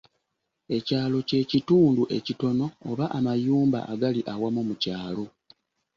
Ekyalo ky'ekitundu ekitono oba amayumba agali awamu mu kyalo.